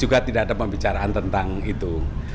juga tidak ada pembicaraan tentang itu